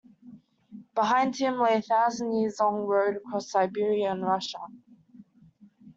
Behind him lay the thousand-years-long road across all Siberia and Russia.